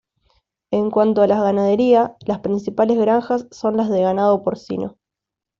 En cuanto a la ganadería, las principales granjas son las de ganado porcino.